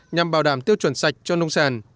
nhằm bảo đảm tiêu chuẩn sạch cho nông sản